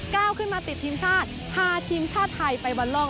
ก้าวขึ้นมาติดทีมชาติพาทีมชาติไทยไปบอลโลก